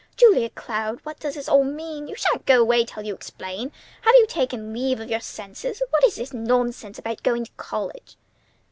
"Julia Cloud, what does all this mean? You shan't go away until you explain. Have you taken leave of your senses? What is this nonsense about going to college?"